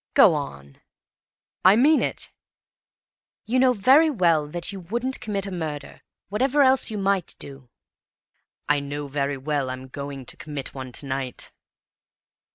"Go on!" "I mean it." "You know very well that you wouldn't commit a murder, whatever else you might do." "I know very well I'm going to commit one to night!"